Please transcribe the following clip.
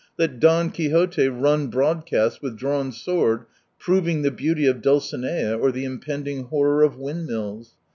Let Don Quixote run broadcast with drawn sword, proving the beauty of Dulcinea or the impending horror of windmills.